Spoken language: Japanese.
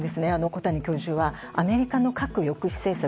小谷教授はアメリカの核抑止政策